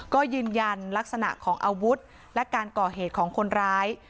ก็ยืนยันลักษณะของอาวุธและการก่อเหตุของคนร้าย